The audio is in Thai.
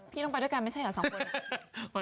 อ๋อพี่ต้องไปด้วยกันไม่ใช่หรอสองคน